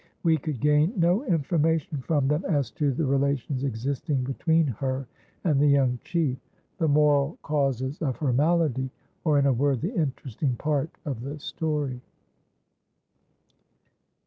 We could gain no information from them as to the relations existing between her and the young chief, the moral causes of her malady, or, in a word, the interesting part of the story."